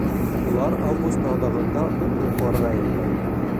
Улар август аҙағында уҡ йоҡларға ята икән.